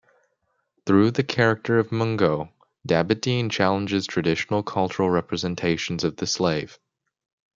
Through the character of Mungo, Dabydeen challenges traditional cultural representations of the slave.